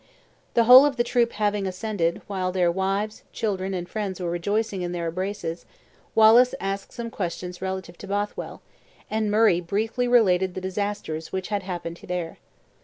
The whole of the troop having ascended, while their wives, children, and friends were rejoicing in their embraces, Wallace asked some questions relative to Bothwell, and Murray briefly related the disasters which had happened there.